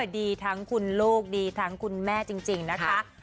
ดีทั้งคุณลูกดีทั้งคุณแม่จริงนะคะ